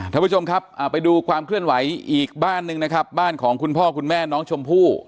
ท่านผู้ชมครับไปดูความเคลื่อนไหวอีกบ้านหนึ่งนะครับบ้านของคุณพ่อคุณแม่น้องชมพู่